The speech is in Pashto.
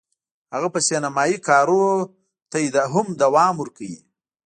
هغه به سینمایي کارونو ته هم دوام ورکوي